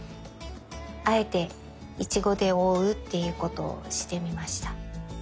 あえてイチゴでおおうっていうことをしてみました。